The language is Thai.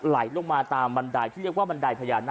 ไหลลงมาตามบันไดที่เรียกว่าบันไดพญานาค